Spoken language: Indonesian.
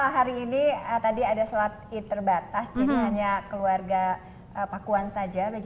hari ini tadi ada sholat id terbatas jadi hanya keluarga pakuan saja